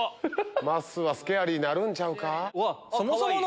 まっすーはスケアリーなるんちゃうか？